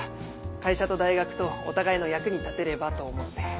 会社と大学とお互いの役に立てればと思って。